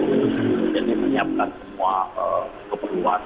jadi menyiapkan semua keperluan